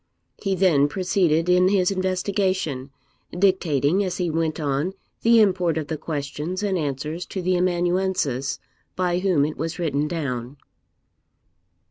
He then proceeded in his investigation, dictating, as he went on, the import of the questions and answers to the amanuensis, by whom it was written down.